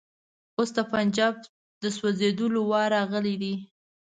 اوس د پنجاب د سوځېدلو وار راغلی دی.